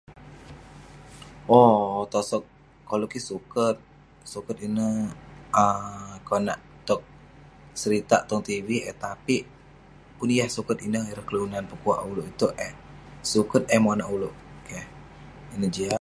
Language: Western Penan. Owk tosok koluek kik suket, suket ineh um konak tok seritak tong tv eh tapik pun yah suket ineh peguak oluek ituek eh seket eh oleuk kik jiak